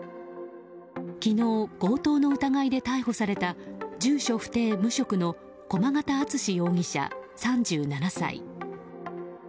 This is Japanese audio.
昨日、強盗の疑いで逮捕された住所不定・無職の駒形厚志容疑者、３７歳。